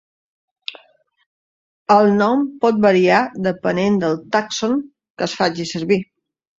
El nom pot variar depenent del tàxon que es faci servir.